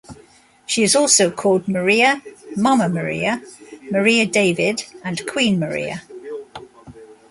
She is also called, Maria, Mama Maria, Maria David, and Queen Maria.